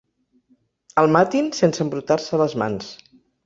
El matin sense embrutar-se les mans.